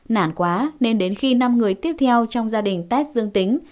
nản quá nên đến khi năm người tiếp theo trong gia đình test dương tính